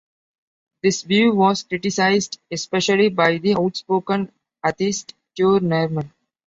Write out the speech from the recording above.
This view was criticized, especially by the outspoken atheist Ture Nerman.